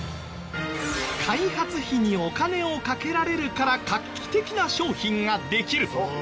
開発費にお金をかけられるから画期的な商品ができる。